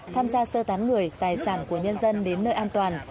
tham gia sơ tán người tài sản của nhân dân đến nơi an toàn